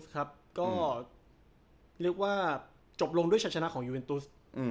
จบเรียกว่าจบลงด้วยชะชนะของยูแอนทูส